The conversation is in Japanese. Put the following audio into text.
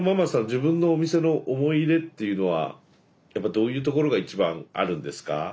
自分のお店の思い入れっていうのはやっぱどういうところが一番あるんですか？